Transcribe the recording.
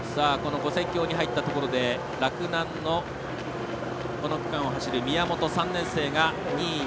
跨線橋に入ったところで洛南の、この区間を走る宮本３年生が２位。